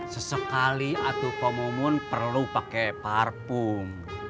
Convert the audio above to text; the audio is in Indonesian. sesekali atuh pemumun perlu pake parpun